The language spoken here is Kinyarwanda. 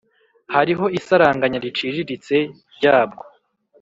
hariho isaranganya riciriritse ryabwo,